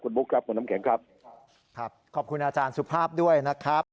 บุ๊คครับคุณน้ำแข็งครับครับขอบคุณอาจารย์สุภาพด้วยนะครับ